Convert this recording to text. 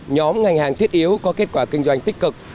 nhóm ngành hàng thiết yếu có kết quả kinh doanh tích cực